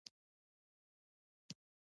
پسرلی د افغانستان د کلتوري میراث برخه ده.